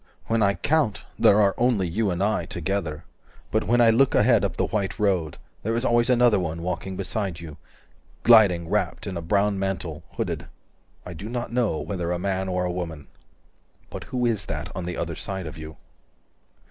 When I count, there are only you and I together 360 But when I look ahead up the white road There is always another one walking beside you Gliding wrapt in a brown mantle, hooded I do not know whether a man or a woman —But who is that on the other side of you?